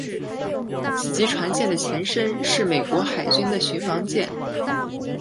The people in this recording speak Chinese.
此级船舰的前身是美国海军的巡防舰。